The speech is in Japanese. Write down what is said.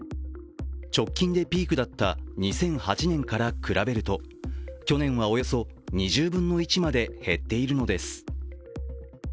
直近でピークだった２００８年から比べると去年はおよそ２０分の１まで減っているのです。